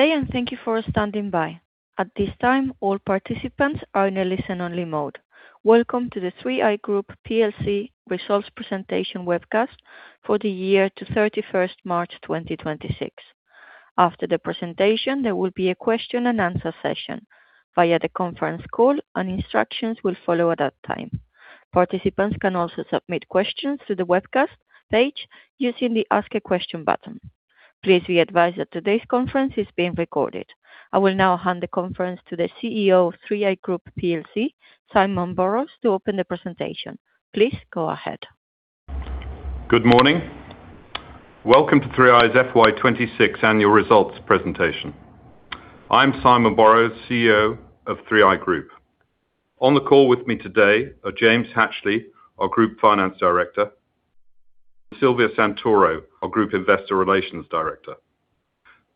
Day and thank you for standing by. At this time, all participants are in a listen-only mode. Welcome to the 3i Group plc Results Presentation Webcast for the year to 31st March 2026. After the presentation, there will be a question-and-answer session via the conference call, and instructions will follow at that time. Participants can also submit questions through the webcast page using the Ask a Question button. Please be advised that today's conference is being recorded. I will now hand the conference to the CEO of 3i Group plc, Simon Borrows, to open the presentation. Please go ahead. Good morning. Welcome to 3i's FY 2026 annual results presentation. I'm Simon Borrows, CEO of 3i Group. On the call with me today are James Hatchley, our Group Finance Director, and Silvia Santoro, our Group Investor Relations Director.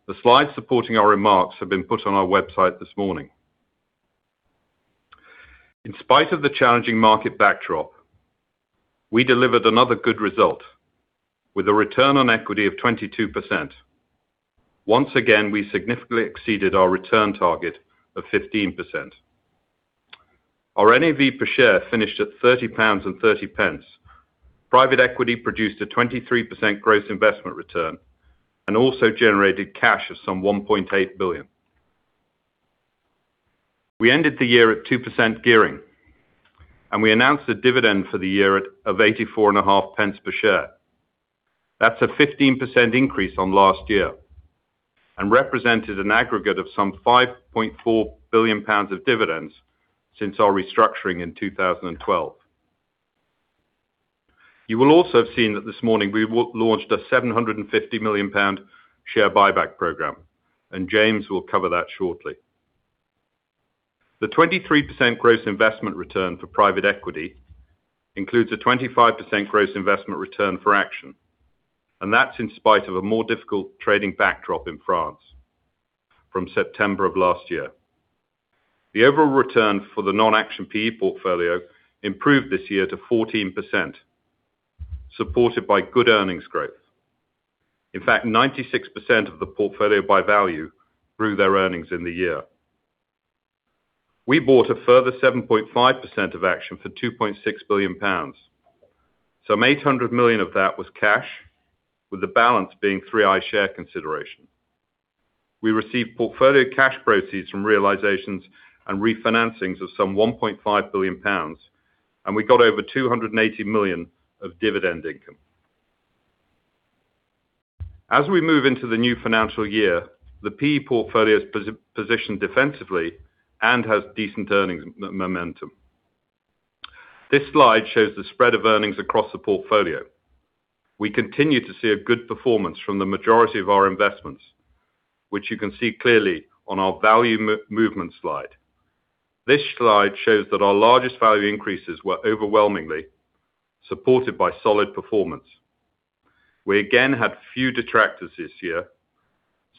The slides supporting our remarks have been put on our website this morning. In spite of the challenging market backdrop, we delivered another good result with a return on equity of 22%. Once again, we significantly exceeded our return target of 15%. Our NAV per share finished at 30.30 pounds. Private equity produced a 23% gross investment return and also generated cash of some 1.8 billion. We ended the year at 2% gearing, and we announced a dividend for the year of 0.845 per share. That's a 15% increase on last year and represented an aggregate of some 5.4 billion pounds of dividends since our restructuring in 2012. You will also have seen that this morning we launched a 750 million pound share buyback program, and James will cover that shortly. The 23% gross investment return for private equity includes a 25% gross investment return for Action, and that's in spite of a more difficult trading backdrop in France from September of last year. The overall return for the non-Action PE portfolio improved this year to 14%, supported by good earnings growth. In fact, 96% of the portfolio by value grew their earnings in the year. We bought a further 7.5% of Action for 2.6 billion pounds. Some 800 million of that was cash, with the balance being 3i share consideration. We received portfolio cash proceeds from realizations and refinancings of some 1.5 billion pounds, and we got over 280 million of dividend income. As we move into the new financial year, the PE portfolio is positioned defensively and has decent earnings momentum. This slide shows the spread of earnings across the portfolio. We continue to see a good performance from the majority of our investments, which you can see clearly on our value movement slide. This slide shows that our largest value increases were overwhelmingly supported by solid performance. We again had few detractors this year.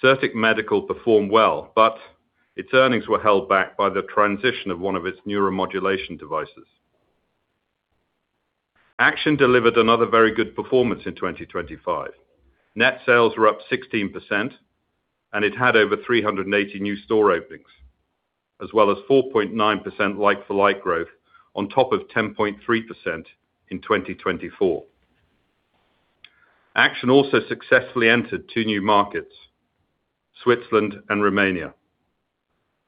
Cirtec Medical performed well, its earnings were held back by the transition of one of its neuromodulation devices. Action delivered another very good performance in 2025. Net sales were up 16%, and it had over 380 new store openings, as well as 4.9% like-for-like growth on top of 10.3% in 2024. Action also successfully entered two new markets, Switzerland and Romania.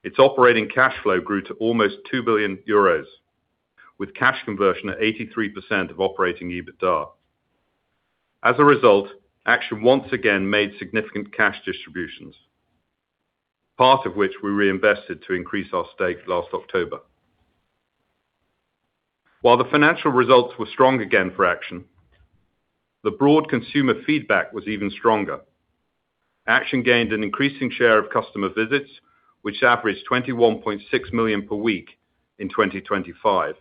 Its operating cash flow grew to almost 2 billion euros, with cash conversion at 83% of operating EBITDA. As a result, Action once again made significant cash distributions, part of which we reinvested to increase our stake last October. While the financial results were strong again for Action, the broad consumer feedback was even stronger. Action gained an increasing share of customer visits, which averaged 21.6 million per week in 2025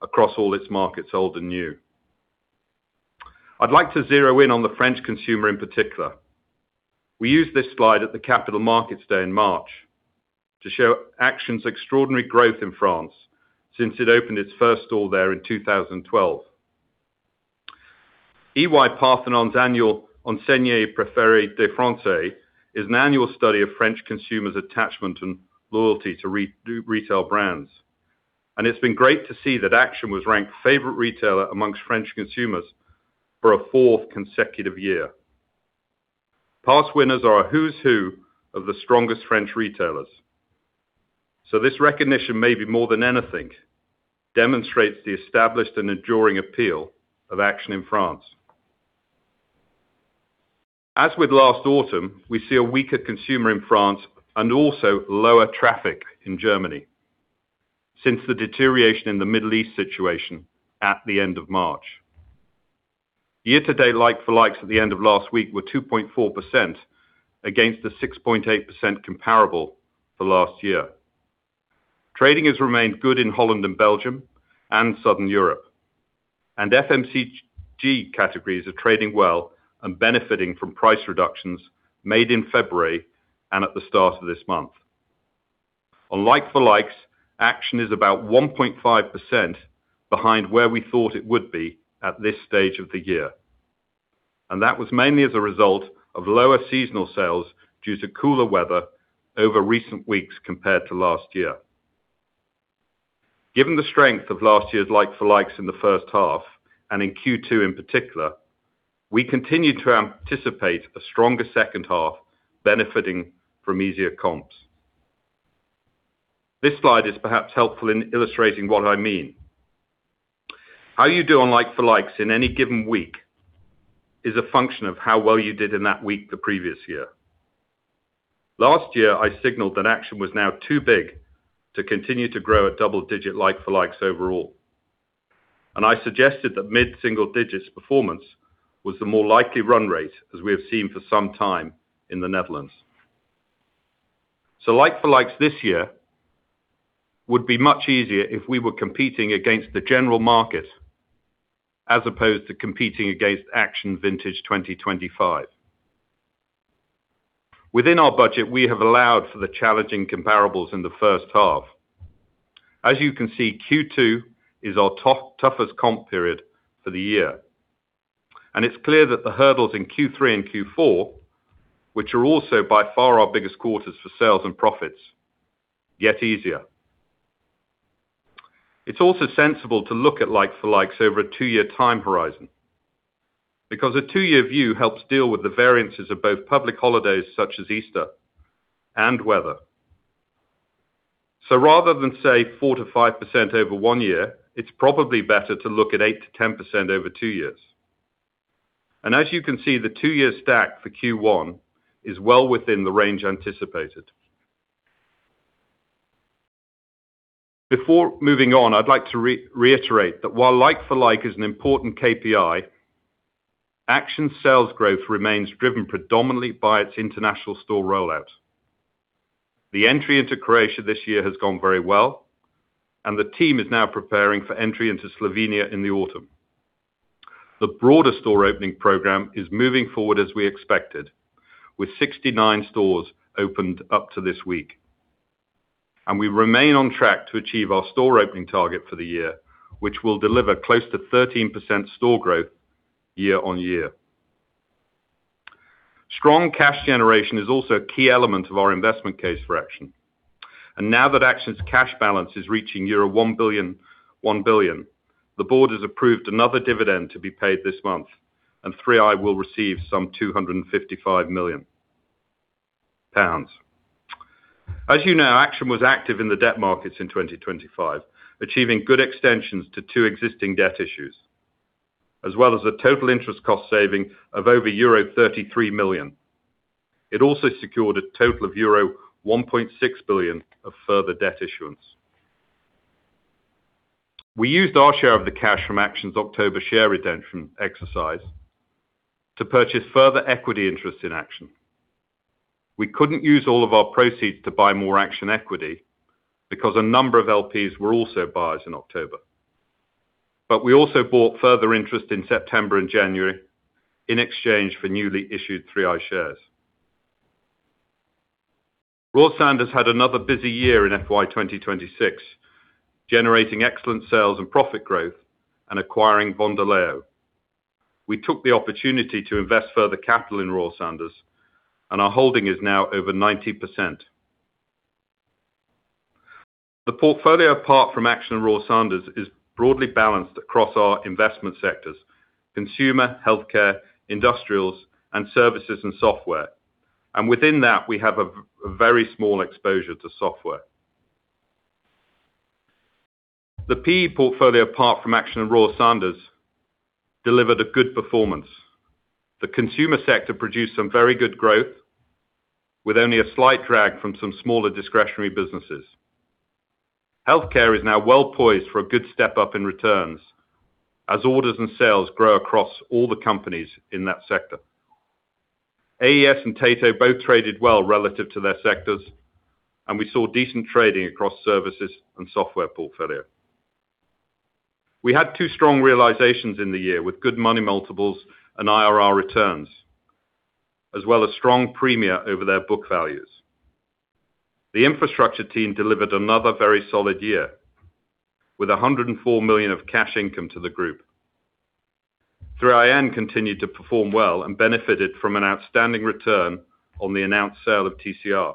across all its markets, old and new. I'd like to zero in on the French consumer in particular. We used this slide at the Capital Markets Day in March to show Action's extraordinary growth in France since it opened its first store there in 2012. EY-Parthenon's annual Enseignes Préférées des Français is an annual study of French consumers' attachment and loyalty to new retail brands, and it's been great to see that Action was ranked favorite retailer amongst French consumers for a 4th consecutive year. Past winners are a who's who of the strongest French retailers. This recognition, maybe more than anything, demonstrates the established and enduring appeal of Action in France. As with last autumn, we see a weaker consumer in France and also lower traffic in Germany since the deterioration in the Middle East situation at the end of March. Year-to-date like-for-likes at the end of last week were 2.4% against the 6.8% comparable for last year. Trading has remained good in Holland and Belgium and Southern Europe. FMCG categories are trading well and benefiting from price reductions made in February and at the start of this month. On like-for-likes, Action is about 1.5% behind where we thought it would be at this stage of the year. That was mainly as a result of lower seasonal sales due to cooler weather over recent weeks compared to last year. Given the strength of last year's like-for-likes in the first half and in Q2 in particular, we continue to anticipate a stronger second half benefiting from easier comps. This slide is perhaps helpful in illustrating what I mean. How you do on like for likes in any given week is a function of how well you did in that week the previous year. Last year, I signaled that Action was now too big to continue to grow at double-digit like for likes overall. I suggested that mid-single digits performance was the more likely run rate as we have seen for some time in the Netherlands. Like for likes this year would be much easier if we were competing against the general market as opposed to competing against Action vintage 2025. Within our budget, we have allowed for the challenging comparables in the first half. As you can see, Q2 is our toughest comp period for the year. It's clear that the hurdles in Q3 and Q4, which are also by far our biggest quarters for sales and profits, get easier. It's also sensible to look at like-for-like over a two-year time horizon because a two-year view helps deal with the variances of both public holidays such as Easter and weather. Rather than say, 4%-5% over one year, it's probably better to look at 8%-10% over two years. As you can see, the two-year stack for Q1 is well within the range anticipated. Before moving on, I'd like to reiterate that while like-for-like is an important KPI, Action sales growth remains driven predominantly by its international store rollout. The entry into Croatia this year has gone very well, and the team is now preparing for entry into Slovenia in the autumn. The broader store opening program is moving forward as we expected, with 69 stores opened up to this week, and we remain on track to achieve our store opening target for the year, which will deliver close to 13% store growth year-on-year. Strong cash generation is also key element of our investment case for Action. Now that Action's cash balance is reaching 1 billion, the board has approved another dividend to be paid this month, and 3i will receive some 255 million pounds. As you know, Action was active in the debt markets in 2025, achieving good extensions to two existing debt issues, as well as a total interest cost saving of over euro 33 million. It also secured a total of euro 1.6 billion of further debt issuance. We used our share of the cash from Action's October share redemption exercise to purchase further equity interest in Action. We couldn't use all of our proceeds to buy more Action equity because a number of LPs were also buyers in October. We also bought further interest in September and January in exchange for newly issued 3i shares. Royal Sanders had another busy year in FY 2026, generating excellent sales and profit growth and acquiring Vendoleo. We took the opportunity to invest further capital in Royal Sanders, and our holding is now over 90%. The portfolio, apart from Action and Royal Sanders, is broadly balanced across our investment sectors, consumer, healthcare, industrials, and services and software. Within that, we have a very small exposure to software. The PE portfolio, apart from Action and Royal Sanders, delivered a good performance. The consumer sector produced some very good growth with only a slight drag from some smaller discretionary businesses. Healthcare is now well-poised for a good step-up in returns as orders and sales grow across all the companies in that sector. AES and Tato both traded well relative to their sectors, and we saw decent trading across services and software portfolio. We had two strong realizations in the year with good money multiples and IRR returns, as well as strong premia over their book values. The infrastructure team delivered another very solid year with 104 million of cash income to the group. 3iN continued to perform well and benefited from an outstanding return on the announced sale of TCR.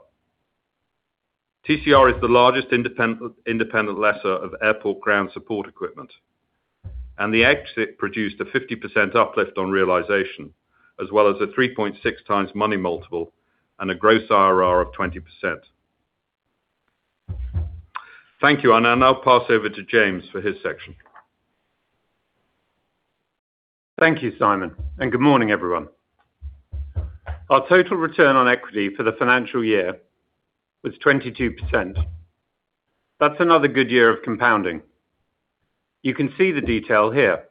TCR is the largest independent lessor of airport ground support equipment, and the exit produced a 50% uplift on realization, as well as a 3.6x money multiple and a gross IRR of 20%. Thank you. I'll now pass over to James for his section. Thank you, Simon, and good morning, everyone. Our total return on equity for the financial year was 22%. That's another good year of compounding. You can see the detail here.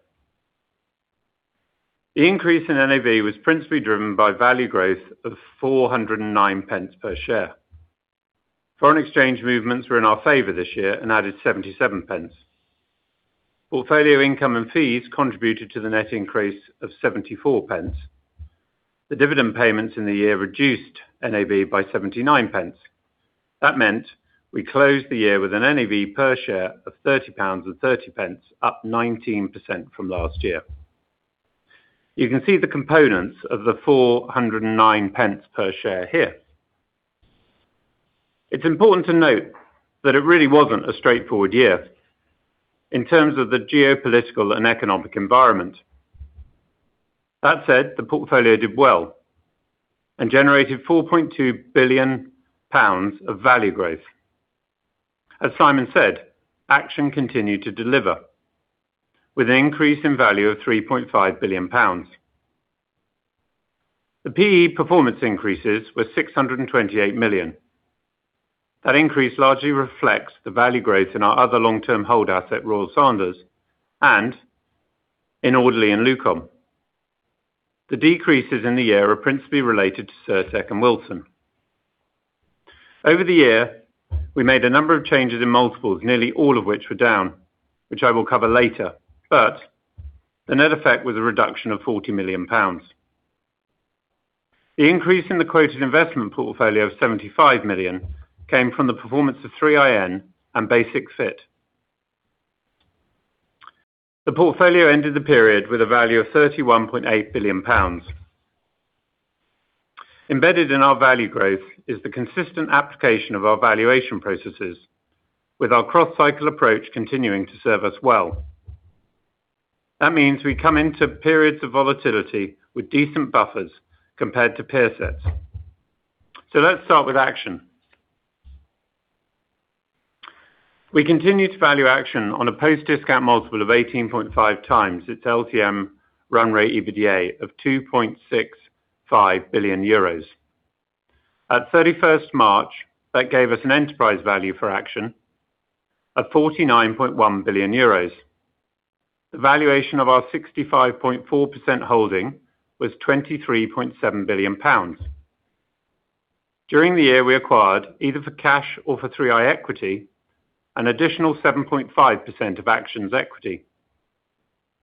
The increase in NAV was principally driven by value growth of 4.09 per share. Foreign exchange movements were in our favor this year and added 0.77. Portfolio income and fees contributed to the net increase of 0.74. The dividend payments in the year reduced NAV by 0.79. We closed the year with an NAV per share of 30.30 pounds, up 19% from last year. You can see the components of the 4.09 per share here. It's important to note that it really wasn't a straightforward year in terms of the geopolitical and economic environment. That said, the portfolio did well and generated 4.2 billion pounds of value growth. As Simon said, Action continued to deliver with an increase in value of 3.5 billion pounds. The PE performance increases were 628 million. That increase largely reflects the value growth in our other long-term hold asset, Royal Sanders, and in Audley and Luqom. The decreases in the year are principally related to Cirtec and Wilson. Over the year, we made a number of changes in multiples, nearly all of which were down, which I will cover later. The net effect was a reduction of 40 million pounds. The increase in the quoted investment portfolio of 75 million came from the performance of 3i and Basic-Fit. The portfolio ended the period with a value of 31.8 billion pounds. Embedded in our value growth is the consistent application of our valuation processes with our cross-cycle approach continuing to serve us well. That means we come into periods of volatility with decent buffers compared to peer sets. Let's start with Action. We continue to value Action on a post-discount multiple of 18.5x its LTM run rate EBITDA of 2.65 billion euros. At 31st March, that gave us an enterprise value for Action of 49.1 billion euros. The valuation of our 65.4% holding was 23.7 billion pounds. During the year, we acquired, either for cash or for 3i equity, an additional 7.5% of Action's equity.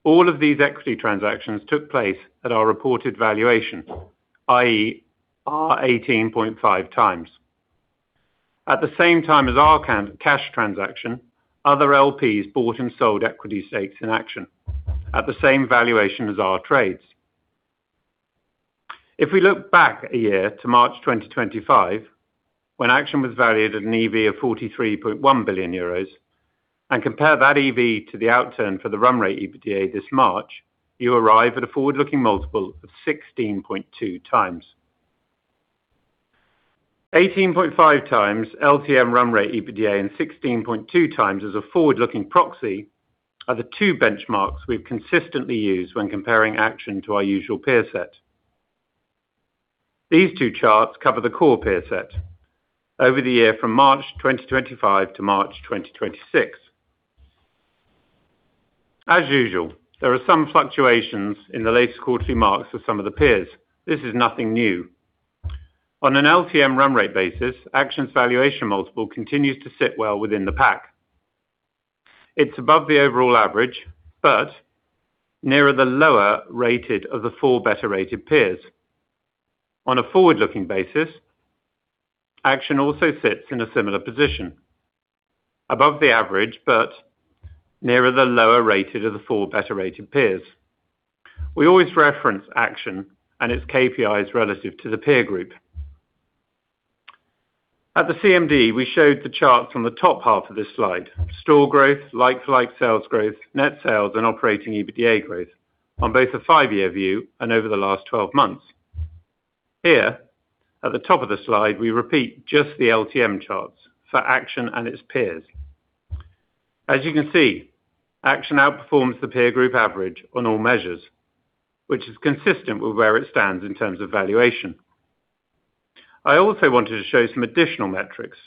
All of these equity transactions took place at our reported valuation, i.e. our 18.5x. At the same time as our count cash transaction, other LPs bought and sold equity stakes in Action at the same valuation as our trades. If we look back a year to March 2025, when Action was valued at an EV of 43.1 billion euros, and compare that EV to the outturn for the run rate EBITDA this March, you arrive at a forward-looking multiple of 16.2x. 18.5x LTM run rate EBITDA and 16.2x as a forward-looking proxy are the two benchmarks we've consistently used when comparing Action to our usual peer set. These two charts cover the core peer set over the year from March 2025 to March 2026. As usual, there are some fluctuations in the latest quarterly marks of some of the peers. This is nothing new. On an LTM run rate basis, Action's valuation multiple continues to sit well within the pack. It is above the overall average, but nearer the lower rated of the four better rated peers. On a forward-looking basis, Action also sits in a similar position, above the average, but nearer the lower rated of the four better rated peers. We always reference Action and its KPI relative to the peer group. At the CMD, we showed the charts on the top half of this slide. Store growth, like-for-like sales growth, net sales, and operating EBITDA growth on both a five-year view and over the last 12 months. Here, at the top of the slide, we repeat just the LTM charts for Action and its peers. As you can see, Action outperforms the peer group average on all measures, which is consistent with where it stands in terms of valuation. I also wanted to show some additional metrics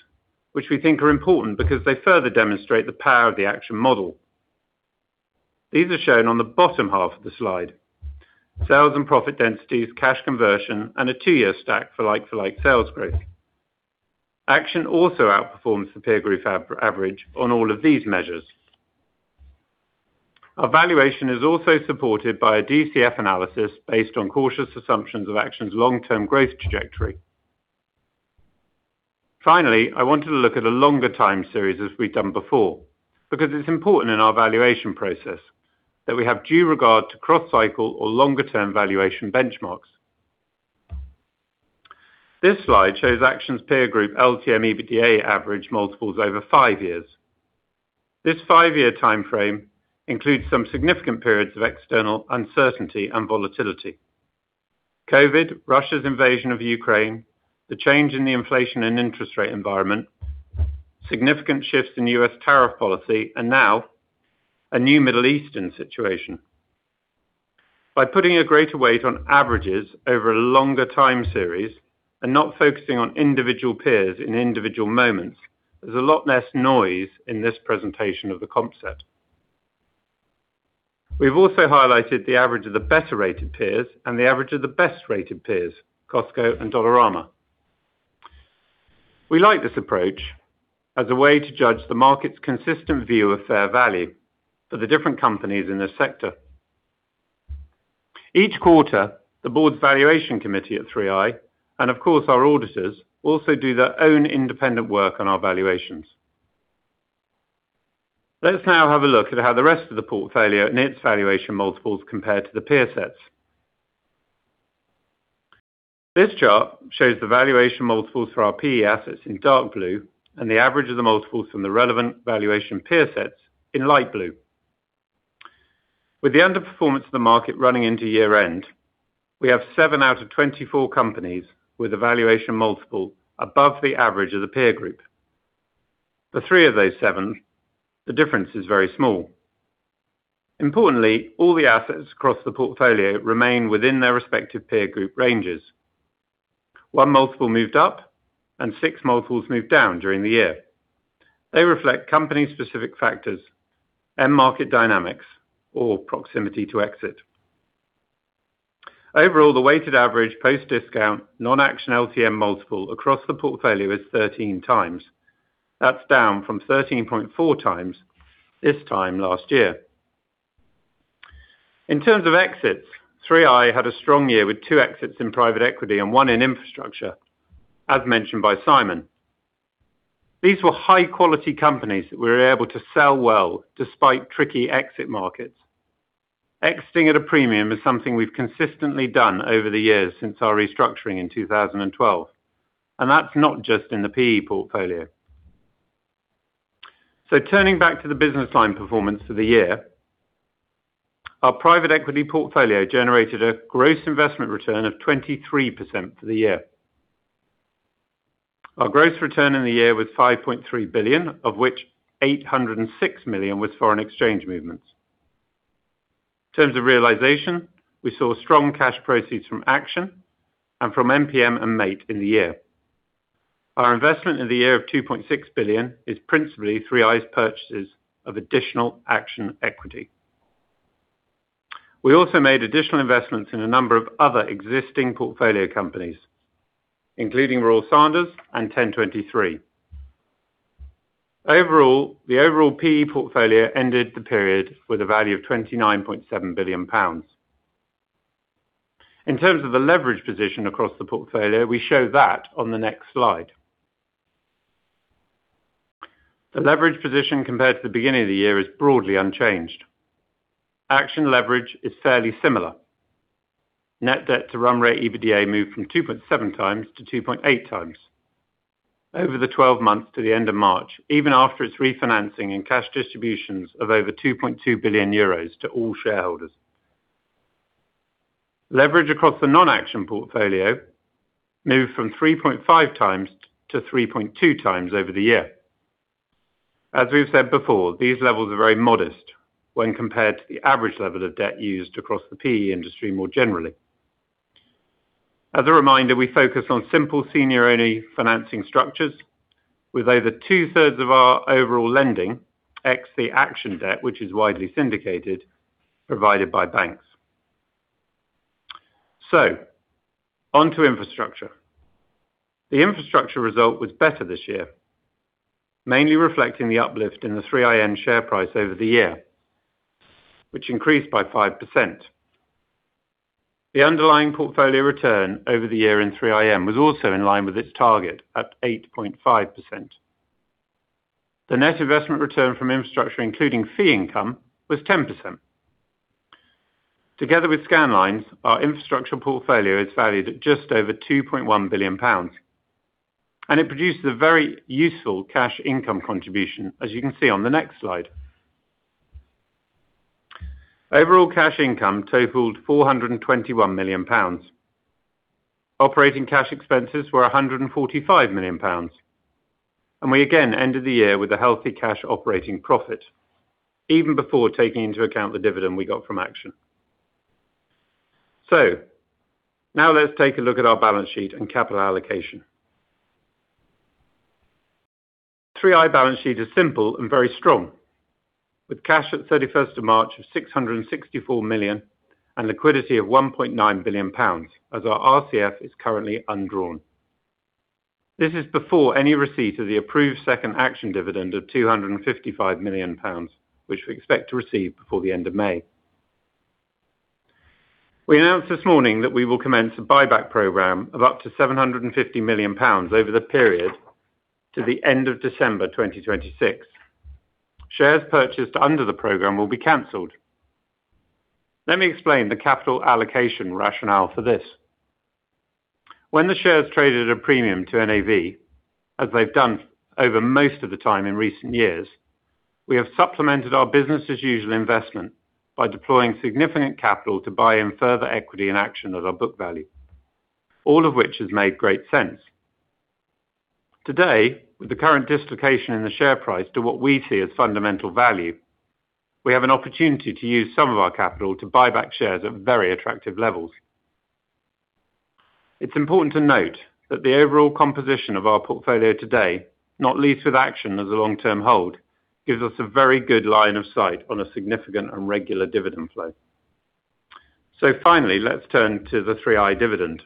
which we think are important because they further demonstrate the power of the Action model. These are shown on the bottom half of the slide. Sales and profit densities, cash conversion, and a two-year stack for like-for-like sales growth. Action also outperforms the peer group average on all of these measures. Our valuation is also supported by a DCF analysis based on cautious assumptions of Action's long-term growth trajectory. I wanted to look at a longer time series as we've done before, because it's important in our valuation process that we have due regard to cross-cycle or longer-term valuation benchmarks. This slide shows Action's peer group LTM EBITDA average multiples over five years. This five-year timeframe includes some significant periods of external uncertainty and volatility. COVID, Russia's invasion of Ukraine, the change in the inflation and interest rate environment, significant shifts in U.S. tariff policy, and now a new Middle Eastern situation. By putting a greater weight on averages over a longer time series and not focusing on individual peers in individual moments, there's a lot less noise in this presentation of the comp set. We've also highlighted the average of the better-rated peers and the average of the best-rated peers, Costco and Dollarama. We like this approach as a way to judge the market's consistent view of fair value for the different companies in this sector. Each quarter, the board's valuation committee at 3i, and of course our auditors, also do their own independent work on our valuations. Let's now have a look at how the rest of the portfolio and its valuation multiples compare to the peer sets. This chart shows the valuation multiples for our PE assets in dark blue and the average of the multiples from the relevant valuation peer sets in light blue. With the underperformance of the market running into year-end, we have seven out of 24 companies with a valuation multiple above the average of the peer group. For 3 of those seven, the difference is very small. Importantly, all the assets across the portfolio remain within their respective peer group ranges. One multiple moved up and six multiples moved down during the year. They reflect company-specific factors and market dynamics or proximity to exit. Overall, the weighted average post-discount non-Action LTM multiple across the portfolio is 13x. That's down from 13.4x this time last year. In terms of exits, 3i had a strong year with two exits in private equity and one in infrastructure, as mentioned by Simon. These were high-quality companies that we were able to sell well despite tricky exit markets. Exiting at a premium is something we've consistently done over the years since our restructuring in 2012, and that's not just in the PE portfolio. Turning back to the business line performance for the year. Our private equity portfolio generated a gross investment return of 23% for the year. Our gross return in the year was 5.3 billion, of which 806 million was foreign exchange movements. In terms of realization, we saw strong cash proceeds from Action and from MPM and MAIT in the year. Our investment in the year of 2.6 billion is principally 3i's purchases of additional Action equity. We also made additional investments in a number of other existing portfolio companies, including Royal Sanders and ten23. Overall, the overall PE portfolio ended the period with a value of 29.7 billion pounds. In terms of the leverage position across the portfolio, we show that on the next slide. The leverage position compared to the beginning of the year is broadly unchanged. Action leverage is fairly similar. Net debt to run rate EBITDA moved from 2.7x to 2.8x over the 12 months to the end of March, even after its refinancing and cash distributions of over 2.2 billion euros to all shareholders. Leverage across the non-Action portfolio moved from 3.5x to 3.2x over the year. As we've said before, these levels are very modest when compared to the average level of debt used across the PE industry more generally. As a reminder, we focus on simple senior-only financing structures with over 2/3 of our overall lending, ex the Action debt, which is widely syndicated, provided by banks. On to infrastructure. The infrastructure result was better this year, mainly reflecting the uplift in the 3iN share price over the year, which increased by 5%. The underlying portfolio return over the year in 3iN was also in line with its target at 8.5%. The net investment return from infrastructure, including fee income, was 10%. Together with Scandlines, our infrastructure portfolio is valued at just over 2.1 billion pounds, and it produces a very useful cash income contribution, as you can see on the next slide. Overall cash income totaled 421 million pounds. Operating cash expenses were 145 million pounds, we again ended the year with a healthy cash operating profit, even before taking into account the dividend we got from Action. Now let's take a look at our balance sheet and capital allocation. 3i balance sheet is simple and very strong, with cash at March 31 of 664 million and liquidity of 1.9 billion pounds, as our RCF is currently undrawn. This is before any receipt of the approved second Action dividend of 255 million pounds, which we expect to receive before the end of May. We announced this morning that we will commence a buyback program of up to 750 million pounds over the period to the end of December 2026. Shares purchased under the program will be canceled. Let me explain the capital allocation rationale for this. When the shares traded at a premium to NAV, as they've done over most of the time in recent years, we have supplemented our business as usual investment by deploying significant capital to buy in further equity and Action at our book value, all of which has made great sense. Today, with the current dislocation in the share price to what we see as fundamental value, we have an opportunity to use some of our capital to buy back shares at very attractive levels. It's important to note that the overall composition of our portfolio today, not least with Action as a long-term hold, gives us a very good line of sight on a significant and regular dividend flow. Finally, let's turn to the 3i dividend.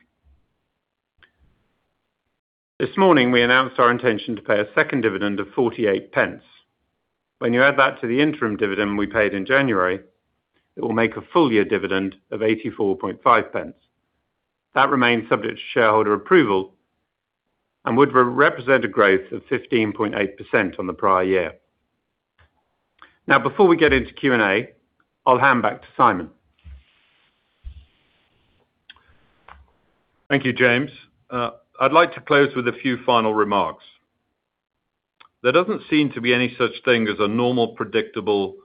This morning, we announced our intention to pay a second dividend of 0.48. When you add that to the interim dividend we paid in January, it will make a full year dividend of 0.845. That remains subject to shareholder approval and would re-represent a growth of 15.8% on the prior year. Before we get into Q&A, I'll hand back to Simon. Thank you, James. I'd like to close with a few final remarks. There doesn't seem to be any such thing as a normal, predictable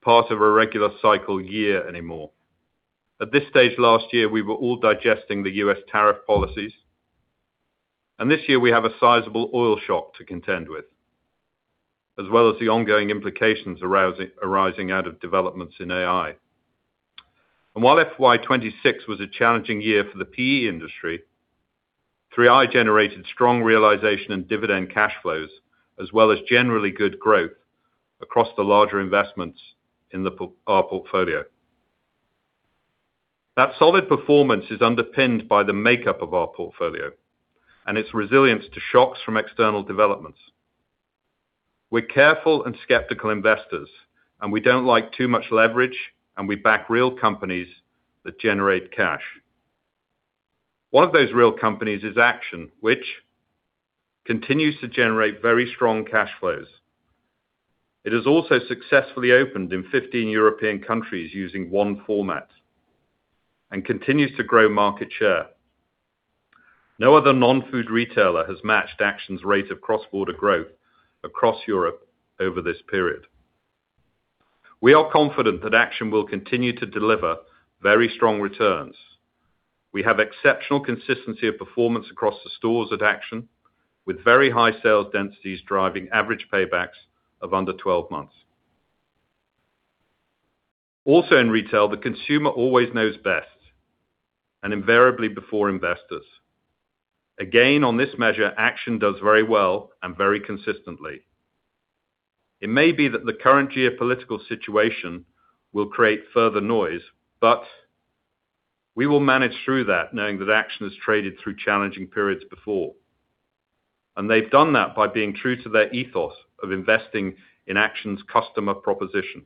part of a regular cycle year anymore. At this stage last year, we were all digesting the U.S. tariff policies, this year we have a sizable oil shock to contend with, as well as the ongoing implications arising out of developments in AI. While FY 2026 was a challenging year for the PE industry, 3i generated strong realization in dividend cash flows, as well as generally good growth across the larger investments in our portfolio. That solid performance is underpinned by the makeup of our portfolio and its resilience to shocks from external developments. We're careful and skeptical investors, we don't like too much leverage, we back real companies that generate cash. One of those real companies is Action, which continues to generate very strong cash flows. It has also successfully opened in 15 European countries using one format and continues to grow market share. No other non-food retailer has matched Action's rate of cross-border growth across Europe over this period. We are confident that Action will continue to deliver very strong returns. We have exceptional consistency of performance across the stores at Action, with very high sales densities driving average paybacks of under 12 months. Also, in retail, the consumer always knows best and invariably before investors. Again, on this measure, Action does very well and very consistently. It may be that the current geopolitical situation will create further noise, but we will manage through that knowing that Action has traded through challenging periods before. They've done that by being true to their ethos of investing in Action's customer proposition.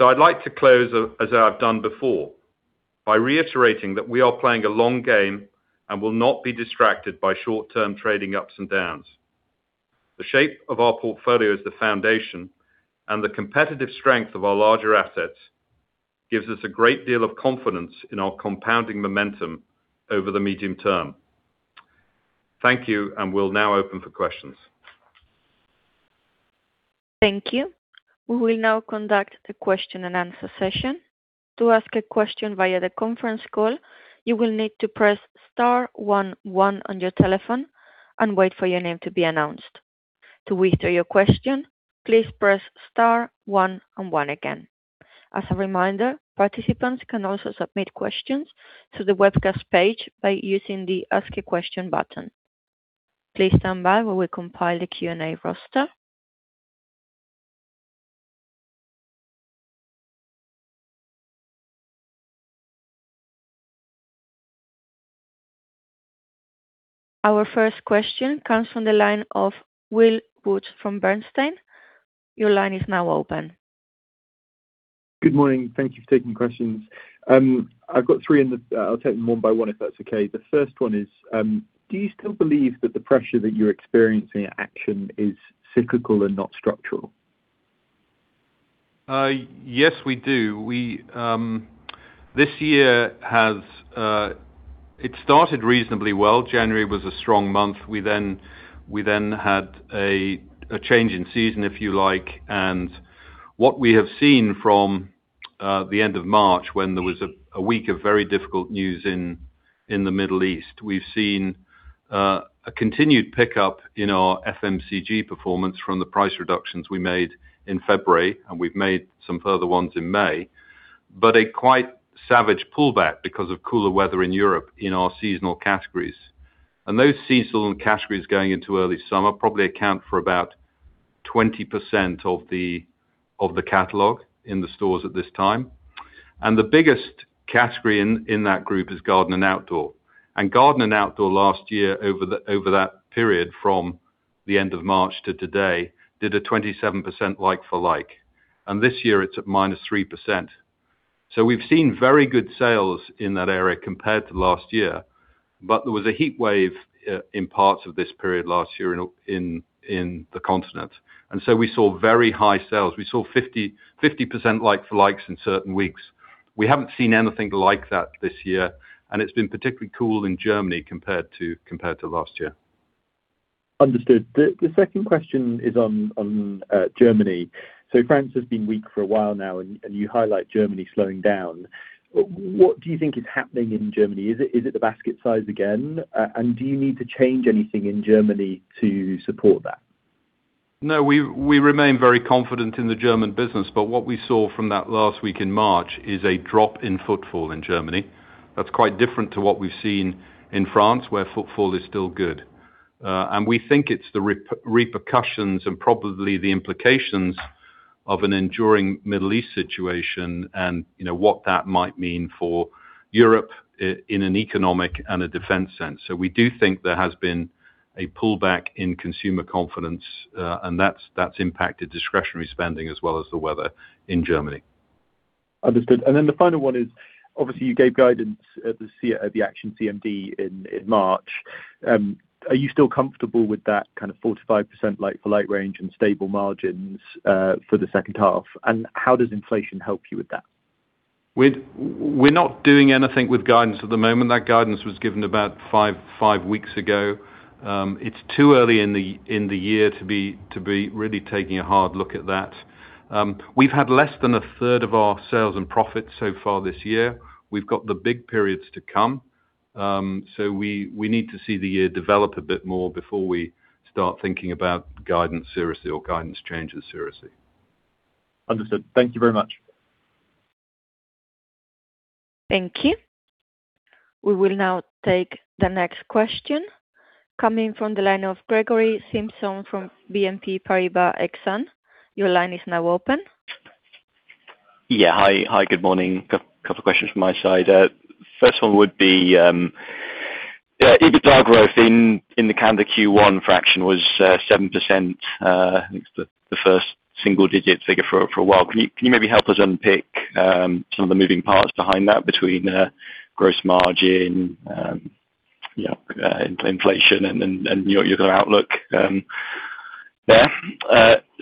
I'd like to close as I've done before, by reiterating that we are playing a long game and will not be distracted by short-term trading ups and downs. The shape of our portfolio is the foundation, and the competitive strength of our larger assets gives us a great deal of confidence in our compounding momentum over the medium term. Thank you, and we'll now open for questions. Thank you. We will now conduct the question and answer session. To ask a question via the conference call, you will need to press star one one on your telephone and wait for your name to be announced. To withdraw your question, please press star one and one again. As a reminder, participants can also submit questions to the webcast page by using the Ask a Question button. Please stand by where we compile the Q&A roster. Our first question comes from the line of Will Woods from Bernstein. Your line is now open. Good morning. Thank you for taking questions. I've got three. I'll take them one by one, if that's okay. The first one is, do you still believe that the pressure that you're experiencing at Action is cyclical and not structural? Yes, we do. This year has started reasonably well. January was a strong month. We then had a change in season, if you like, and what we have seen from the end of March when there was a week of very difficult news in the Middle East. We've seen a continued pickup in our FMCG performance from the price reductions we made in February, and we've made some further ones in May, but a quite savage pullback because of cooler weather in Europe in our seasonal categories. Those seasonal categories going into early summer probably account for about 20% of the catalog in the stores at this time. The biggest category in that group is garden and outdoor. Garden and outdoor last year over that period from the end of March to today, did a 27% like-for-like, and this year it's at -3%. We've seen very good sales in that area compared to last year, but there was a heatwave in parts of this period last year in the continent. We saw very high sales. We saw 50% like-for-likes in certain weeks. We haven't seen anything like that this year, and it's been particularly cool in Germany compared to last year. Understood. The second question is on Germany. France has been weak for a while now and you highlight Germany slowing down. What do you think is happening in Germany? Is it the basket size again? Do you need to change anything in Germany to support that? No. We remain very confident in the German business, but what we saw from that last week in March is a drop in footfall in Germany. That's quite different to what we've seen in France, where footfall is still good. We think it's the repercussions and probably the implications of an enduring Middle East situation and, you know, what that might mean for Europe in an economic and a defense sense. We do think there has been a pullback in consumer confidence, and that's impacted discretionary spending as well as the weather in Germany. Understood. The final one is, obviously, you gave guidance at the Action CMD in March. Are you still comfortable with that kind of 45% like-for-like range and stable margins for the second half? How does inflation help you with that? We're not doing anything with guidance at the moment. That guidance was given about five weeks ago. It's too early in the year to be really taking a hard look at that. We've had less than 1/3 of our sales and profits so far this year. We've got the big periods to come. We need to see the year develop a bit more before we start thinking about guidance seriously or guidance changes seriously. Understood. Thank you very much. Thank you. We will now take the next question coming from the line of Gregory Simpson from BNP Paribas Exane. Your line is now open. Yeah. Hi. Hi, good morning. A couple of questions from my side. First one would be, EBITDA growth in the calendar Q1 Action was 7%. I think it's the first single-digit figure for a while. Can you maybe help us unpick some of the moving parts behind that between the gross margin, you know, inflation and your outlook there?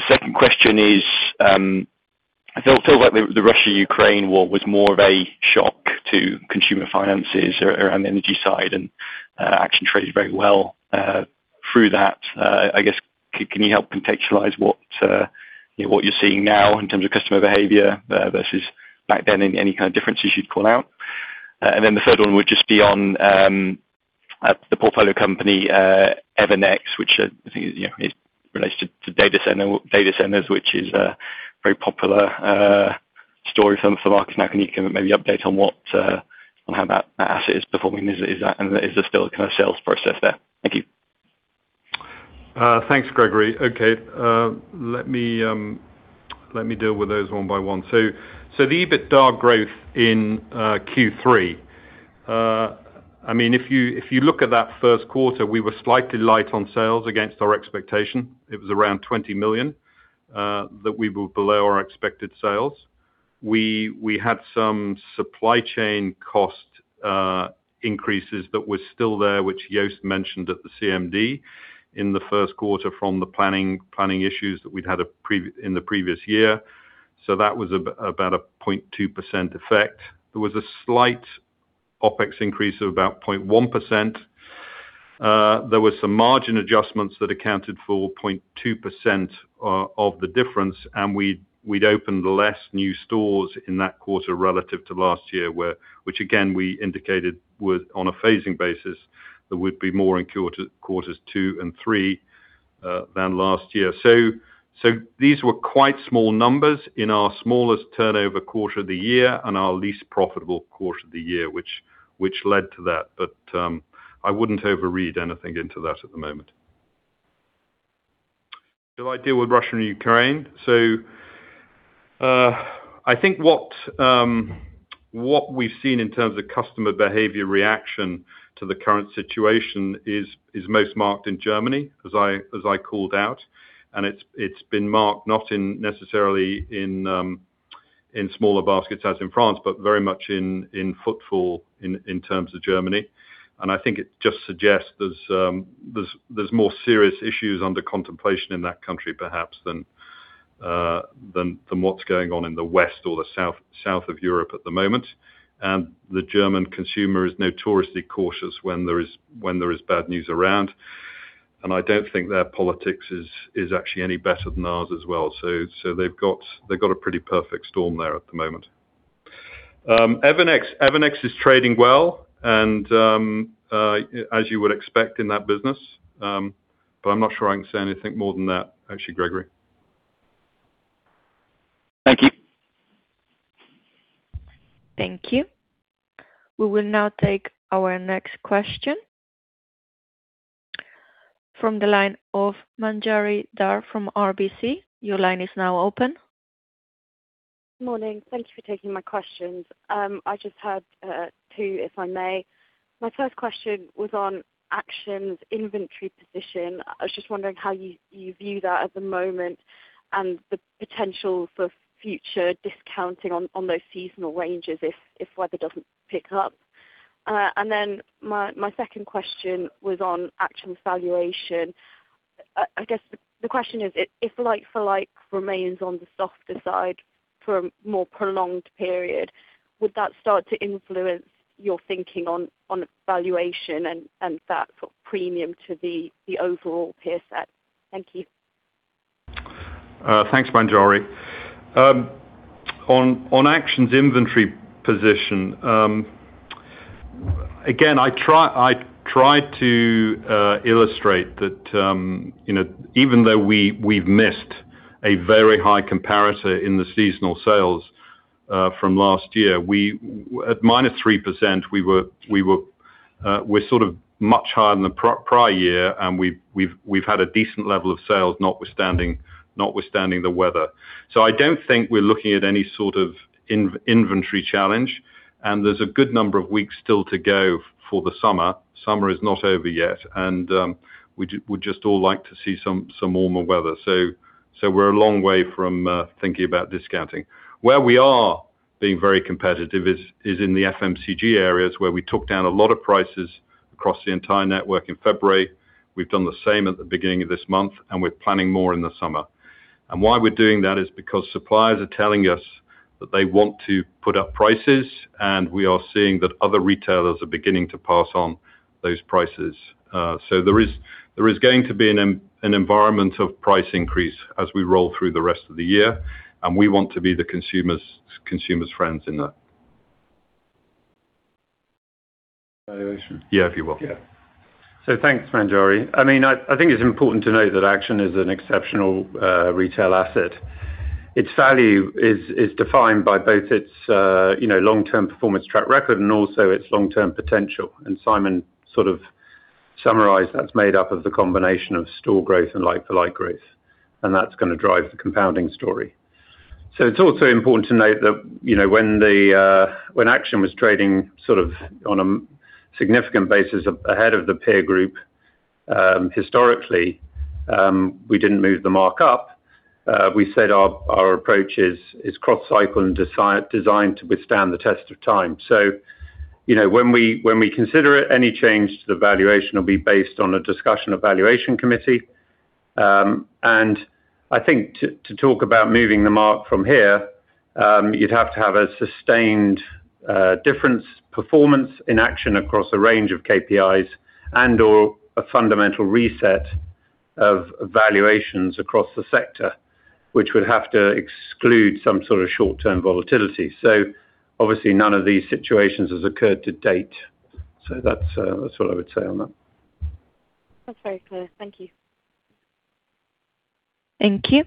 Second question is, I feel like the Russia-Ukraine war was more of a shock to consumer finances around the energy side and Action traded very well through that. I guess, can you help contextualize what you're seeing now in terms of customer behavior versus back then and any kind of differences you'd call out? The third one would just be on the portfolio company Evernex, which I think is, you know, is related to data centers, which is a very popular story from the market. Can you give maybe update on what on how that asset is performing? Is that is there still a kind of sales process there? Thank you. Thanks, Gregory. Okay. Let me deal with those one by one. The EBITDA growth in Q3, I mean, if you look at that first quarter, we were slightly light on sales against our expectation. It was around 20 million that we were below our expected sales. We had some supply chain cost increases that were still there, which Joost mentioned at the CMD in the first quarter from the planning issues that we'd had in the previous year. That was about a 0.2% effect. There was a slight OpEx increase of about 0.1%. There were some margin adjustments that accounted for 0.2% of the difference, and we'd opened less new stores in that quarter relative to last year, which again, we indicated was on a phasing basis, there would be more in quarters two and three than last year. These were quite small numbers in our smallest turnover quarter of the year and our least profitable quarter of the year, which led to that. I wouldn't overread anything into that at the moment. Shall I deal with Russia and Ukraine? I think what we've seen in terms of customer behavior reaction to the current situation is most marked in Germany, as I called out. It's been marked not necessarily in smaller baskets as in France, but very much in footfall in terms of Germany. I think it just suggests there's more serious issues under contemplation in that country, perhaps than what's going on in the West or the South of Europe at the moment. The German consumer is notoriously cautious when there is bad news around. I don't think their politics is actually any better than ours as well. They've got a pretty perfect storm there at the moment. Evernex. Evernex is trading well and as you would expect in that business. But I'm not sure I can say anything more than that, actually, Gregory. Thank you. Thank you. We will now take our next question from the line of Manjari Dhar from RBC. Your line is now open. Good morning. Thank you for taking my questions. I just had two, if I may. My first question was on Action's inventory position. I was just wondering how you view that at the moment and the potential for future discounting on those seasonal ranges if weather doesn't pick up. Then my second question was on Action valuation. I guess the question is if like for like remains on the softer side for a more prolonged period, would that start to influence your thinking on valuation and that premium to the overall peer set? Thank you. Thanks, Manjari. On Action's inventory position, again, I tried to illustrate that, you know, even though we missed a very high comparator in the seasonal sales from last year, we at -3% we were sort of much higher than the prior year, and we've had a decent level of sales, notwithstanding the weather. I don't think we're looking at any sort of inventory challenge, and there's a good number of weeks still to go for the summer. Summer is not over yet. We'd just all like to see some warmer weather. We're a long way from thinking about discounting. Where we are being very competitive is in the FMCG areas where we took down a lot of prices across the entire network in February. We've done the same at the beginning of this month, and we're planning more in the summer. Why we're doing that is because suppliers are telling us that they want to put up prices, and we are seeing that other retailers are beginning to pass on those prices. There is going to be an environment of price increase as we roll through the rest of the year, and we want to be the consumer's friends in that. May I add something? Yeah, if you will. Yeah. Thanks, Manjari. I mean, I think it's important to note that Action is an exceptional retail asset. Its value is defined by both its, you know, long-term performance track record and also its long-term potential. Simon sort of summarized that's made up of the combination of store growth and like-for-like growth, and that's gonna drive the compounding story. It's also important to note that, you know, when Action was trading sort of on a significant basis ahead of the peer group, historically, we didn't move the mark up. We said our approach is cross cycle and designed to withstand the test of time. You know, when we, when we consider it, any change to the valuation will be based on a discussion of valuation committee. I think to talk about moving the mark from here, you'd have to have a sustained difference performance in Action across a range of KPIs and or a fundamental reset of valuations across the sector, which would have to exclude some sort of short-term volatility. Obviously none of these situations has occurred to date. That's what I would say on that. That's very clear. Thank you. Thank you.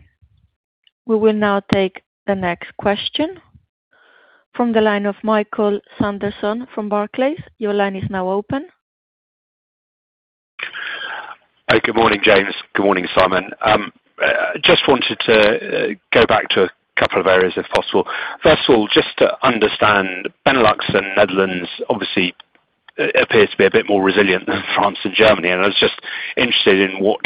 We will now take the next question from the line of Michael Sanderson from Barclays. Your line is now open. Hi. Good morning, James. Good morning, Simon. I just wanted to go back to a couple of areas, if possible. First of all, just to understand Benelux and Netherlands obviously appears to be a bit more resilient than France and Germany. I was just interested in what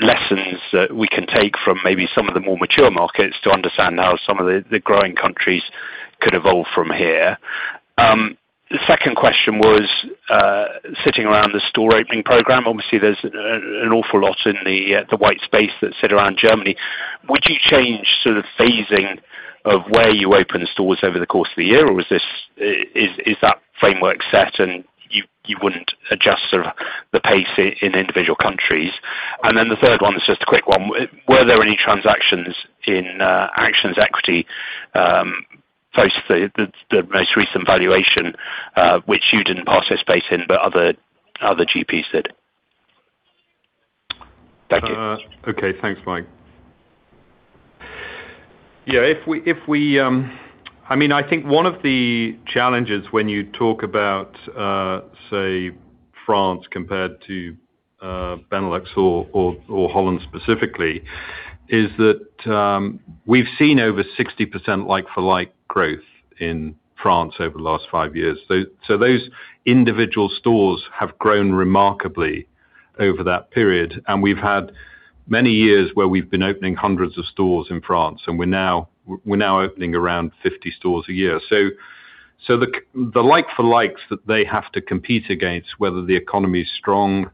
lessons that we can take from maybe some of the more mature markets to understand how some of the growing countries could evolve from here. The second question was sitting around the store opening program. Obviously, there's an awful lot in the white space that sit around Germany. Would you change sort of phasing of where you open stores over the course of the year? Is that framework set and you wouldn't adjust the pace in individual countries? The third one is just a quick one. Were there any transactions in Action's equity post the most recent valuation, which you didn't participate in but other GPs did? Thank you. Okay. Thanks, Mike. If we, I mean, I think one of the challenges when you talk about, say France compared to, Benelux or Holland specifically, is that we've seen over 60% like-for-like growth in France over the last five years. Those individual stores have grown remarkably over that period. We've had many years where we've been opening hundreds of stores in France, and we're now opening around 50 stores a year. The like-for-likes that they have to compete against, whether the economy is strong,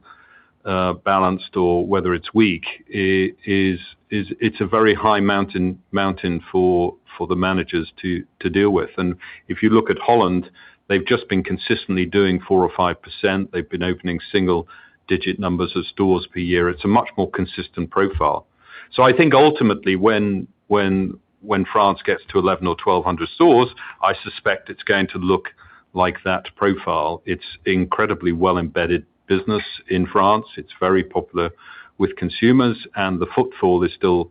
balanced or whether it's weak, it's a very high mountain for the managers to deal with. If you look at Holland, they've just been consistently doing 4% or 5%. They've been opening single-digit numbers of stores per year. It's a much more consistent profile. I think ultimately when France gets to 1,100 or 1,200 stores, I suspect it's going to look like that profile. It's incredibly well embedded business in France. It's very popular with consumers and the footfall is still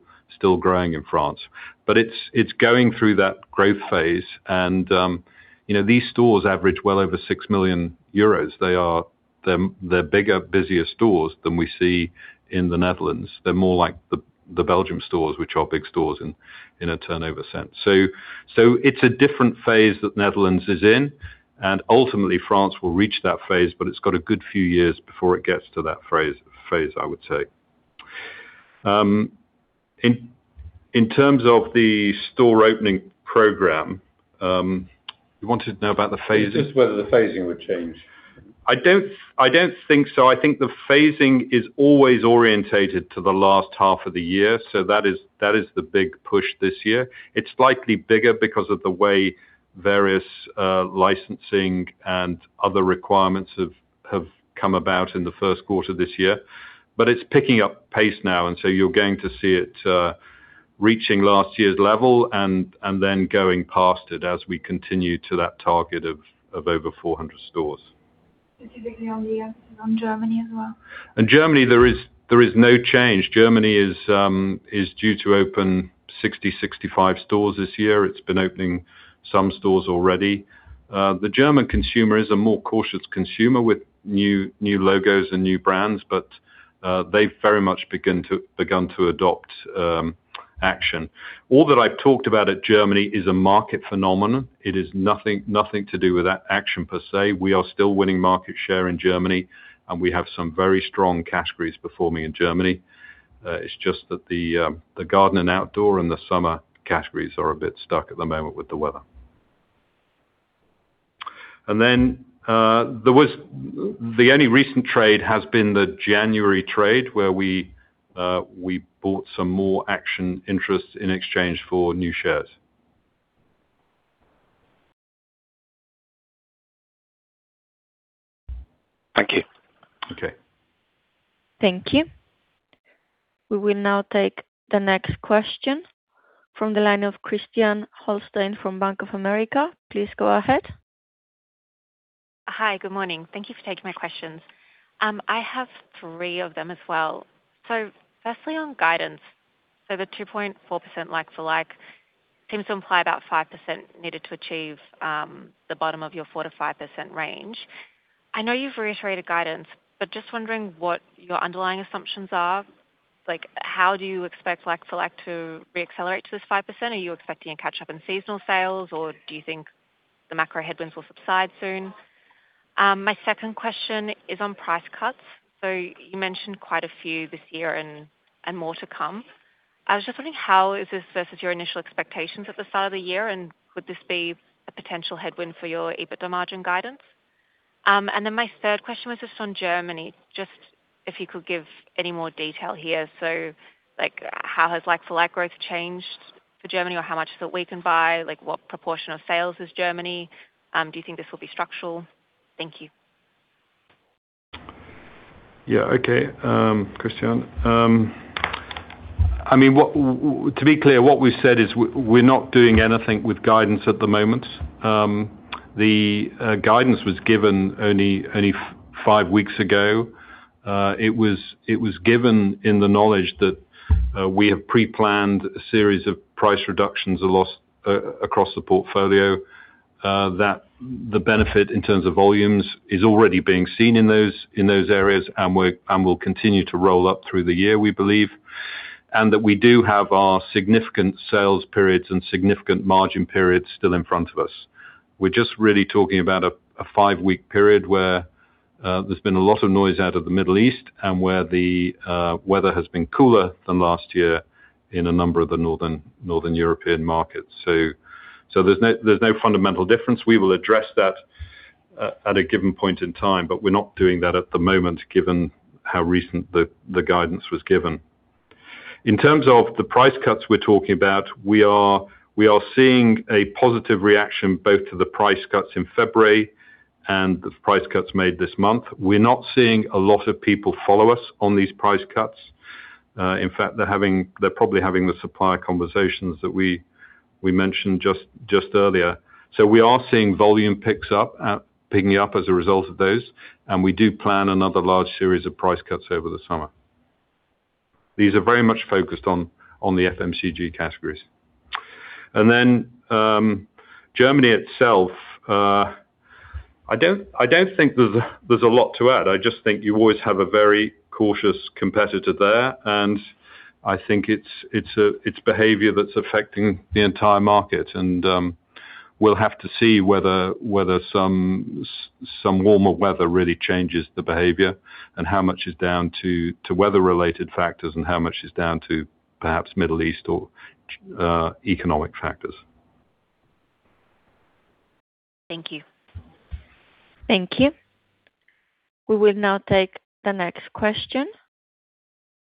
growing in France. It's going through that growth phase and, you know, these stores average well over 6 million euros. They're, they're bigger, busier stores than we see in the Netherlands. They're more like the Belgium stores, which are big stores in a turnover sense. It's a different phase that Netherlands is in, and ultimately France will reach that phase, but it's got a good few years before it gets to that phase, I would say. In terms of the store opening program, you wanted to know about the phasing? Just whether the phasing would change. I don't think so. I think the phasing is always oriented to the last half of the year. That is the big push this year. It's slightly bigger because of the way various licensing and other requirements have come about in the first quarter this year. It's picking up pace now, you're going to see it reaching last year's level and then going past it as we continue to that target of over 400 stores. Specifically on Germany as well. In Germany, there is no change. Germany is due to open 60, 65 stores this year. It's been opening some stores already. The German consumer is a more cautious consumer with new logos and new brands, they very much begun to adopt Action. All that I've talked about at Germany is a market phenomenon. It is nothing to do with Action per se. We are still winning market share in Germany, and we have some very strong categories performing in Germany. It's just that the garden and outdoor and the summer categories are a bit stuck at the moment with the weather. Then, the only recent trade has been the January trade, where we bought some more Action interest in exchange for new shares. Thank you. Okay. Thank you. We will now take the next question from the line of Christiane Holstein from Bank of America. Please go ahead. Hi, good morning. Thank you for taking my questions. I have three of them as well. Firstly, on guidance. The 2.4% like-for-like seems to imply about 5% needed to achieve the bottom of your 4%-5% range. I know you've reiterated guidance, but just wondering what your underlying assumptions are. Like, how do you expect like-for-like to re-accelerate to this 5%? Are you expecting a catch-up in seasonal sales, or do you think the macro headwinds will subside soon? My second question is on price cuts. You mentioned quite a few this year and more to come. I was just wondering how is this versus your initial expectations at the start of the year, and would this be a potential headwind for your EBITDA margin guidance? My third question was just on Germany, just if you could give any more detail here. Like, how has like-for-like growth changed for Germany or how much is it weakened by? Like, what proportion of sales is Germany? Do you think this will be structural? Thank you. Yeah, okay, Christiane. I mean, to be clear, what we said is we're not doing anything with guidance at the moment. The guidance was given only five weeks ago. It was given in the knowledge that we have pre-planned a series of price reductions across the portfolio, that the benefit in terms of volumes is already being seen in those areas and will continue to roll up through the year, we believe. That we do have our significant sales periods and significant margin periods still in front of us. We're just really talking about a five-week period where there's been a lot of noise out of the Middle East and where the weather has been cooler than last year in a number of the Northern European markets. There's no fundamental difference. We will address that at a given point in time, but we're not doing that at the moment, given how recent the guidance was given. In terms of the price cuts we're talking about, we are seeing a positive reaction both to the price cuts in February and the price cuts made this month. We're not seeing a lot of people follow us on these price cuts. In fact, they're probably having the supplier conversations that we mentioned earlier. We are seeing volume picks up, picking up as a result of those, and we do plan another large series of price cuts over the summer. These are very much focused on the FMCG categories. Germany itself, I don't think there's a lot to add. I just think you always have a very cautious competitor there, and I think it's a behavior that's affecting the entire market. We'll have to see whether some warmer weather really changes the behavior and how much is down to weather-related factors and how much is down to perhaps Middle East or economic factors. Thank you. Thank you. We will now take the next question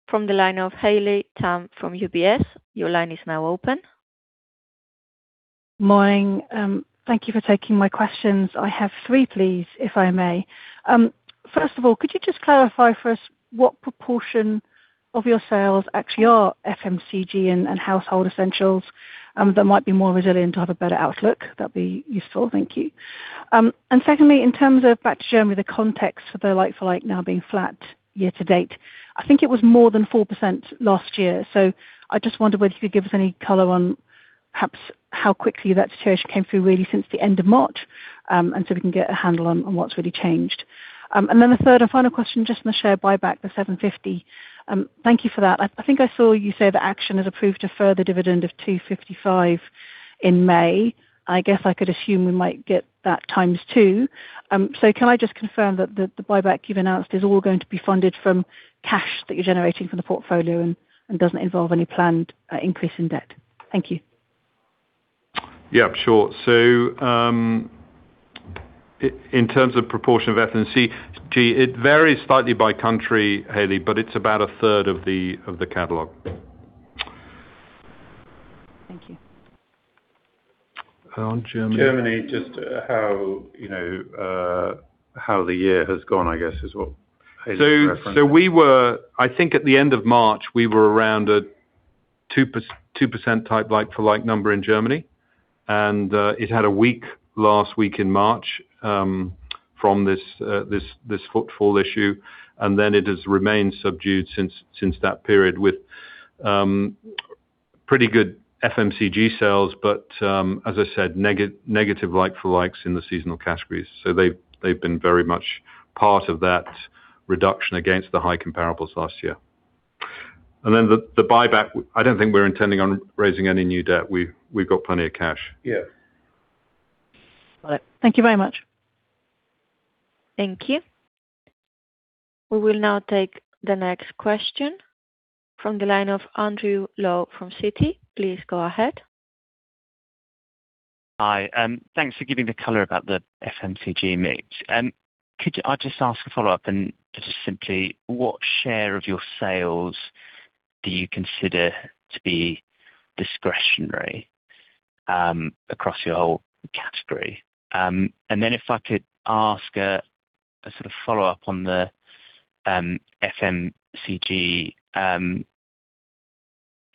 from the line of Haley Tam from UBS. Your line is now open. Morning. Thank you for taking my questions. I have three, please, if I may. First of all, could you just clarify for us what proportion of your sales actually are FMCG and household essentials that might be more resilient to have a better outlook? That'd be useful. Thank you. Secondly, in terms of back to Germany, the context for the like-for-like now being flat year to date. I think it was more than 4% last year. I just wondered whether you could give us any color on perhaps how quickly that deterioration came through really since the end of March, and so we can get a handle on what's really changed. Then the third and final question, just on the share buyback, the 750 million. Thank you for that. I think I saw you say that Action has approved a further dividend of 2.55 in May. I guess I could assume we might get that times two. Can I just confirm that the buyback you've announced is all going to be funded from cash that you're generating from the portfolio and doesn't involve any planned increase in debt? Thank you. Yeah, sure. In terms of proportion of FMCG, it varies slightly by country, Haley, but it's about 1/3 of the, of the catalog. Thank you. On Germany- Germany, just how, you know, how the year has gone, I guess, is what Haley's referencing. I think at the end of March, we were around a 2% type like-for-like number in Germany. It had a weak last week in March from this footfall issue, and then it has remained subdued since that period with pretty good FMCG sales. As I said, negative like-for-likes in the seasonal categories. They've been very much part of that reduction against the high comparables last year. The buyback, I don't think we're intending on raising any new debt. We've got plenty of cash. Yeah. All right. Thank you very much. Thank you. We will now take the next question from the line of Andrew Lowe from Citi. Please go ahead. Hi. Thanks for giving the color about the FMCG mix. I just ask a follow-up and just simply what share of your sales do you consider to be discretionary across your whole category? Then if I could ask a sort of follow-up on the FMCG.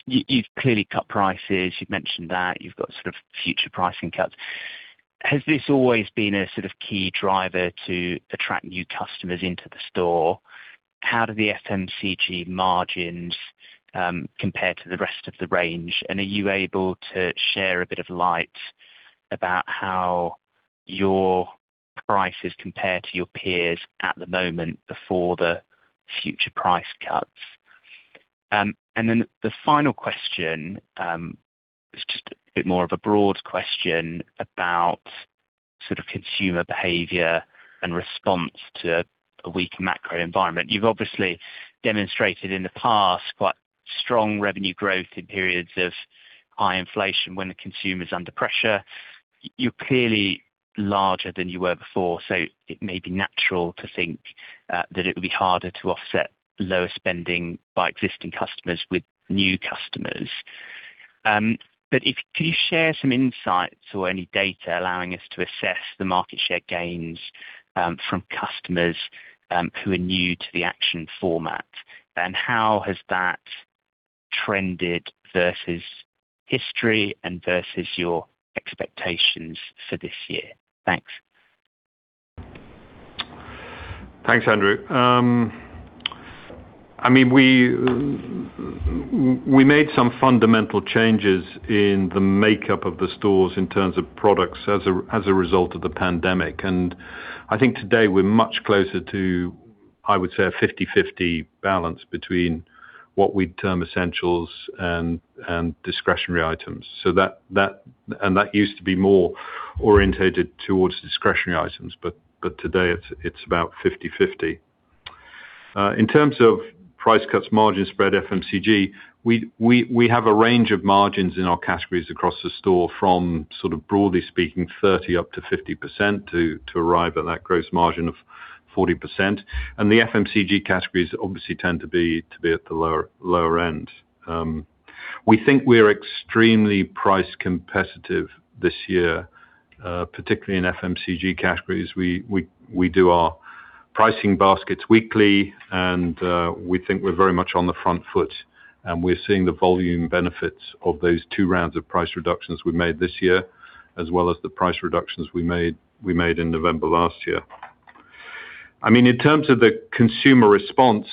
You've clearly cut prices, you've mentioned that. You've got sort of future pricing cuts. Has this always been a sort of key driver to attract new customers into the store? How do the FMCG margins compare to the rest of the range? Are you able to share a bit of light about how your prices compare to your peers at the moment before the future price cuts? The final question is just a bit more of a broad question about sort of consumer behavior and response to a weaker macro environment. You've obviously demonstrated in the past quite strong revenue growth in periods of high inflation when the consumer's under pressure. You're clearly larger than you were before, so it may be natural to think that it would be harder to offset lower spending by existing customers with new customers. Could you share some insights or any data allowing us to assess the market share gains from customers who are new to the Action format, and how has that trended versus history and versus your expectations for this year? Thanks. Thanks, Andrew. I mean, we made some fundamental changes in the makeup of the stores in terms of products as a result of the pandemic, and I think today we're much closer to, I would say, a 50/50 balance between what we'd term essentials and discretionary items. That used to be more orientated towards discretionary items, but today it's about 50/50. In terms of price cuts, margin spread FMCG, we have a range of margins in our categories across the store from sort of, broadly speaking, 30% up to 50% to arrive at that gross margin of 40%. The FMCG categories obviously tend to be at the lower end. We think we're extremely price competitive this year, particularly in FMCG categories. We do our pricing baskets weekly, and we think we're very much on the front foot, and we're seeing the volume benefits of those two rounds of price reductions we made this year as well as the price reductions we made in November last year. I mean, in terms of the consumer response,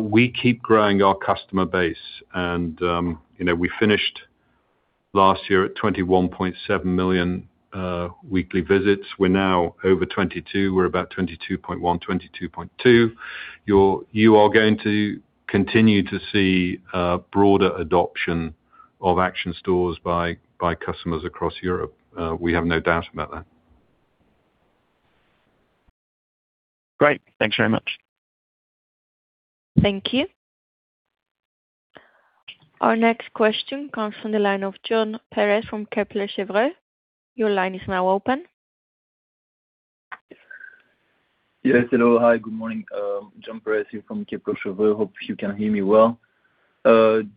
we keep growing our customer base and, you know, we finished last year at 21.7 million weekly visits. We're now over 22. We're about 22.1, 22.2. You are going to continue to see a broader adoption of Action stores by customers across Europe. We have no doubt about that. Great. Thanks very much. Thank you. Our next question comes from the line of Jon Pérez from Kepler Cheuvreux. Your line is now open. Yes. Hello. Hi, good morning. Jon Pérez here from Kepler Cheuvreux. Hope you can hear me well.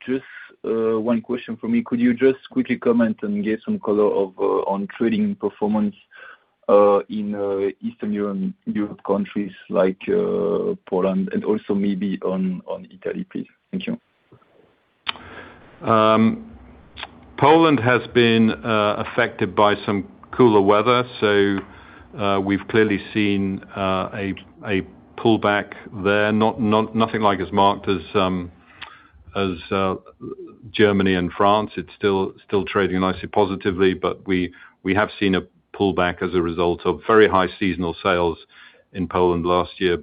Just one question for me. Could you just quickly comment and give some color of on trading performance in Eastern Europe countries like Poland and also maybe on Italy, please? Thank you. Poland has been affected by some cooler weather, we've clearly seen a pullback there, not nothing like as marked as Germany and France. It's still trading nicely positively, we have seen a pullback as a result of very high seasonal sales in Poland last year,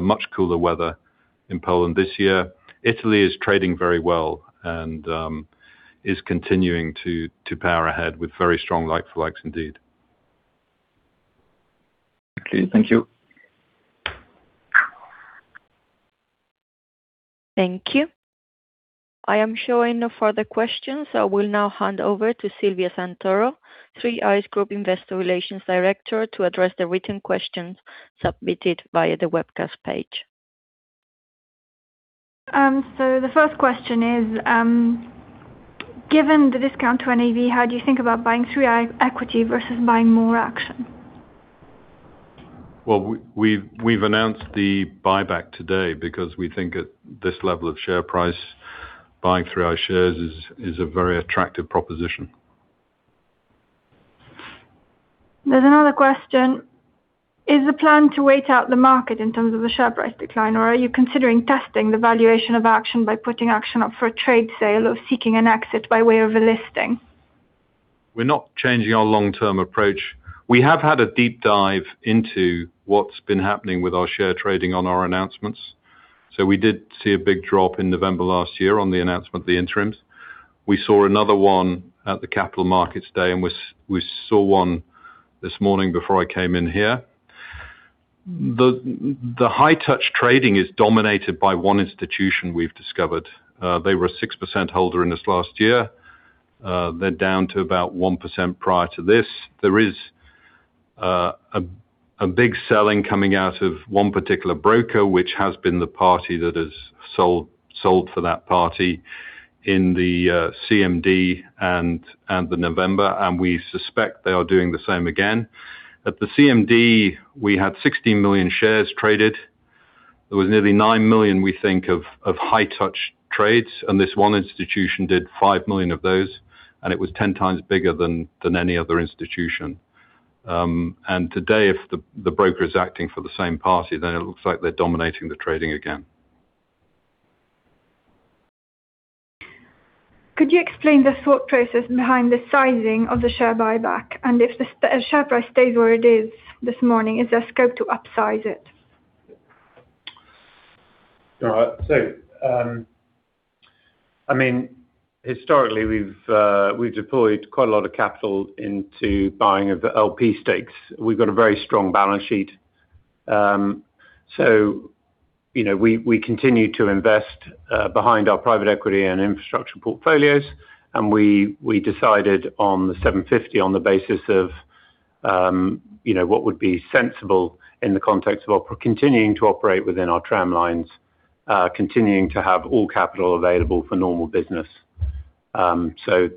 much cooler weather in Poland this year. Italy is trading very well, is continuing to power ahead with very strong like-for-like indeed. Okay. Thank you. Thank you. I am showing no further questions. I will now hand over to Silvia Santoro, 3i Group Investor Relations Director, to address the written questions submitted via the webcast page. The first question is, given the discount to NAV, how do you think about buying 3i equity versus buying more Action? Well, we've announced the buyback today because we think at this level of share price, buying through our shares is a very attractive proposition. There's another question. Is the plan to wait out the market in terms of the share price decline, or are you considering testing the valuation of Action by putting Action up for a trade sale or seeking an exit by way of a listing? We're not changing our long-term approach. We have had a deep dive into what's been happening with our share trading on our announcements. We did see a big drop in November last year on the announcement of the interims. We saw another one at the Capital Markets Day. We saw one this morning before I came in here. The high touch trading is dominated by one institution we've discovered. They were a 6% holder in this last year. They're down to about 1% prior to this. There is a big selling coming out of one particular broker, which has been the party that has sold for that party in the CMD and the November. We suspect they are doing the same again. At the CMD, we had 16 million shares traded. There was nearly 9 million, we think, of high touch trades, and this one institution did 5 million of those, and it was 10x bigger than any other institution. Today, if the broker is acting for the same party, then it looks like they're dominating the trading again. Could you explain the thought process behind the sizing of the share buyback, and if the share price stays where it is this morning, is there scope to upsize it? All right. I mean, historically, we've deployed quite a lot of capital into buying of LP stakes. We've got a very strong balance sheet. you know, we continue to invest behind our private equity and infrastructure portfolios. we decided on the 750 million on the basis of, you know, what would be sensible in the context of continuing to operate within our tramlines, continuing to have all capital available for normal business.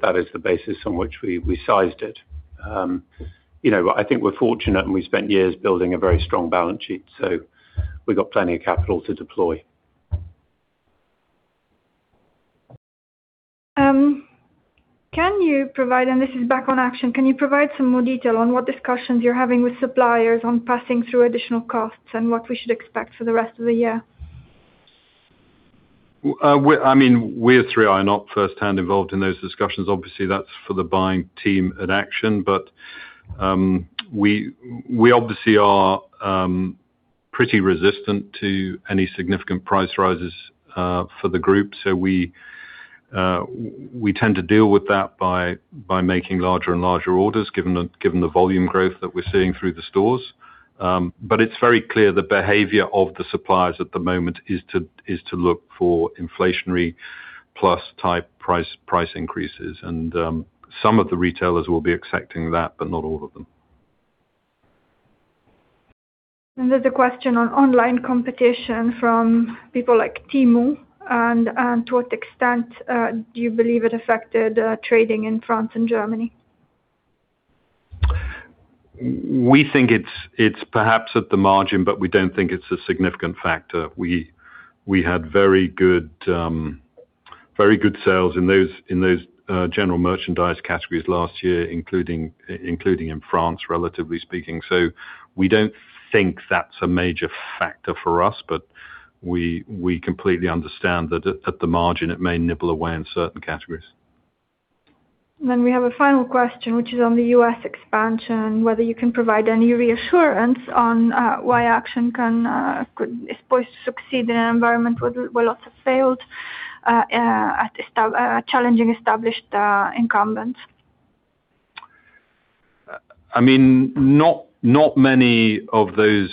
that is the basis on which we sized it. you know, I think we're fortunate, and we spent years building a very strong balance sheet, so we got plenty of capital to deploy. Can you provide, and this is back on Action, can you provide some more detail on what discussions you're having with suppliers on passing through additional costs and what we should expect for the rest of the year? I mean, we at 3i are not firsthand involved in those discussions. Obviously, that's for the buying team at Action, but, we obviously are pretty resistant to any significant price rises for the group. We tend to deal with that by making larger and larger orders, given the volume growth that we're seeing through the stores. It's very clear the behavior of the suppliers at the moment is to look for inflationary plus type price increases. Some of the retailers will be accepting that, but not all of them. There's a question on online competition from people like Temu and to what extent do you believe it affected trading in France and Germany? We think it's perhaps at the margin, but we don't think it's a significant factor. We had very good sales in those general merchandise categories last year, including in France, relatively speaking. We don't think that's a major factor for us, but we completely understand that at the margin, it may nibble away in certain categories. We have a final question, which is on the U.S. expansion, whether you can provide any reassurance on why Action is poised to succeed in an environment where lots have failed at challenging established incumbents. I mean, not many of those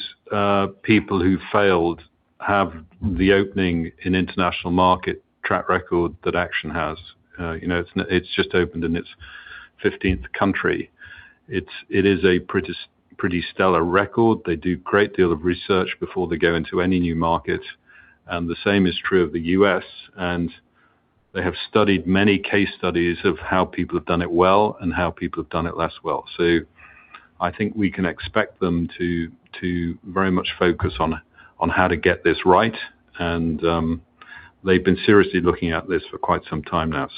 people who failed have the opening in international market track record that Action has. You know, it's just opened in its fifteenth country. It is a pretty stellar record. They do great deal of research before they go into any new market, and the same is true of the U.S. They have studied many case studies of how people have done it well and how people have done it less well. I think we can expect them to very much focus on how to get this right. They've been seriously looking at this for quite some time now.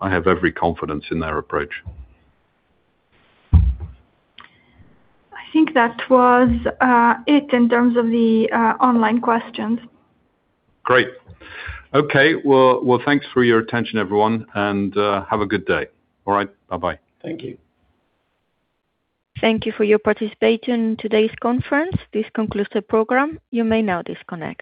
I have every confidence in their approach. I think that was it in terms of the online questions. Great. Okay. Well, thanks for your attention, everyone. Have a good day. All right. Bye-bye. Thank you. Thank you for your participation in today's conference. This concludes the program. You may now disconnect.